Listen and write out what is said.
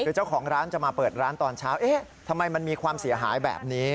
คือเจ้าของร้านจะมาเปิดร้านตอนเช้าเอ๊ะทำไมมันมีความเสียหายแบบนี้